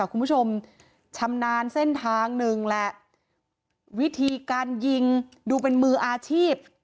อะคุณผู้ชมชำนาญเส้นทางวิธีการยิงดูเป็นมืออาชีพ